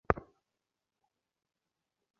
তিনি জানেন, ওসমান সাহেবের চায়ের পিপাসা হয় নি।